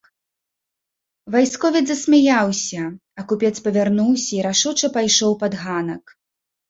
Вайсковец засмяяўся, а купец павярнуўся і рашуча пайшоў пад ганак.